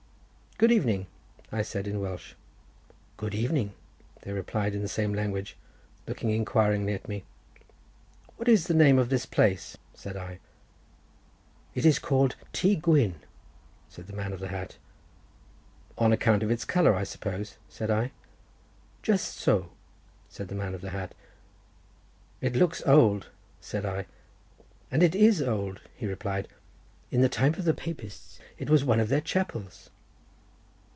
"Good evening," I said in Welsh. "Good evening," they replied in the same language, looking inquiringly at me. "What is the name of this place?" said I. "It is called Tŷ gwyn," said the man of the hat. "On account of its colour, I suppose?" said I. "Just so," said the man of the hat. "It looks old," said I. "And it is old," he replied. "In the time of the Papists it was one of their chapels."